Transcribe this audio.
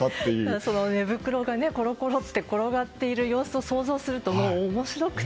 寝袋がコロコロと転がっていく様子を想像すると、もう面白くて。